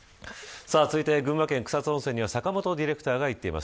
続いて群馬県草津温泉には阪本ディレクターが行っています。